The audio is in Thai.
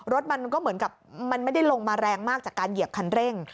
รถมันก็เหมือนกับมันไม่ได้ลงมาแรงมากจากการเหยียบคันเร่ง